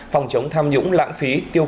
phòng chống tham nhũng lãng phí